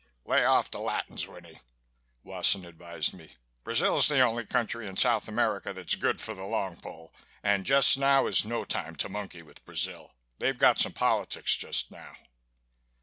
"Lay off the Latins, Winnie," Wasson advised me. "Brazil's the only country in South America that's good for the long pull and just now is no time to monkey with Brazil. They've got some politics just now."